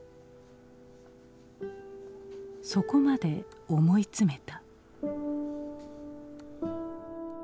そこまで思い詰めた。